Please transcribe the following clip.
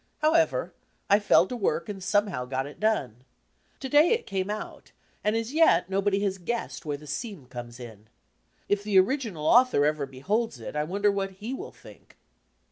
However, I fell to work and somehow got it done. Today it came out, and as yet nobody has guessed where the 'seam* comes in. If the original author ever beholds it, I wonder what he will think.